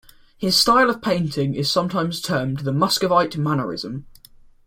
His style of painting is sometimes termed "the Muscovite mannerism".